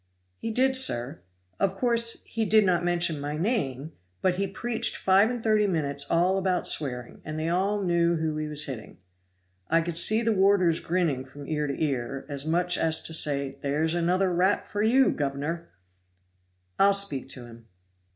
"He did, sir. Of course, he did not mention my name, but he preached five and thirty minutes all about swearing, and they all knew who he was hitting. I could see the warders grinning from ear to ear, as much as to say, 'There's another rap for you, governor!'" "I'll speak to him."